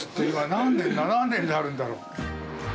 何年になるんだろう。